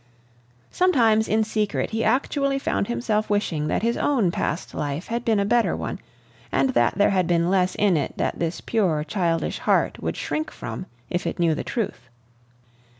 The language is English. Sometimes in secret he actually found himself wishing that his own past life had been a better one, and that there had been less in it that this pure, childish heart would shrink from if it knew the truth.